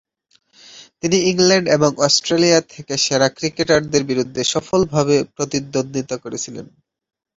তিনি ইংল্যান্ড এবং অস্ট্রেলিয়া থেকে সেরা ক্রিকেটারদের বিরুদ্ধে সফলভাবে প্রতিদ্বন্দ্বিতা করেছিলেন।